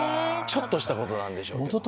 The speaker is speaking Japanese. ちょっとしたことなんでしょうけど。